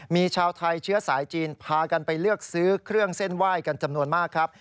มีชาวไทยเชื้อสายจีนพากันไปเลือกซื้อเครื่องเส้นไหว้กันจำนวนมากครับ